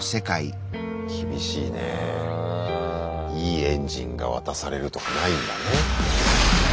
いいエンジンが渡されるとかないんだね。